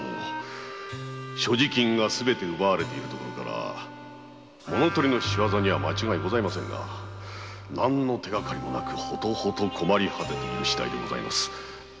所持金がすべて奪われているところから物盗りの仕業には間違いございませんが何の手がかりもなく困りはてているしだいでございます